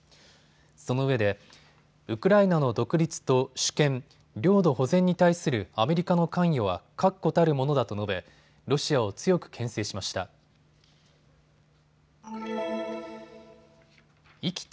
そのうえでウクライナの独立と主権、領土保全に対するアメリカの関与は確固たるものだと述べ、ロシアを強くけん制しました。